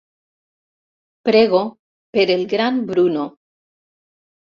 Prego per el gran Bruno.